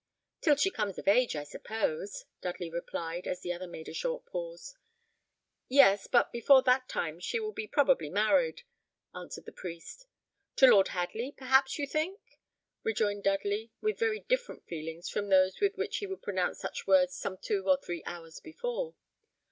"Till she comes of age, I suppose?" Dudley replied, as the other made a short pause. "Yes; but before that time she will be probably married," answered the priest. "To Lord Hadley, perhaps you think?" rejoined Dudley, with very different feelings from those with which he would have pronounced such words some two or three hours before.